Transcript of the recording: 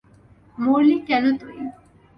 মরলি কেন তুই?